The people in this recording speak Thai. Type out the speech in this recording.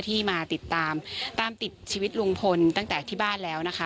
ที่มาติดตามตามติดชีวิตลุงพลตั้งแต่ที่บ้านแล้วนะคะ